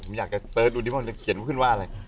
ผมอยากให้เสิร์ชดูดิบเขื่อมาเขียนว่าอะไร